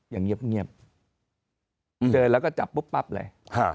อย่างเงียบเจอแล้วก็จับปุ๊บปั๊บเลย